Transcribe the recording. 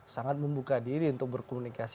sangat membuka diri untuk berkomunikasi